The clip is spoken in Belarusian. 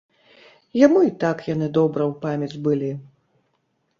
Яму й так яны добра ў памяць былі.